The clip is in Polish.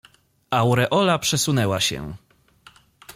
Aureola przesunęła się.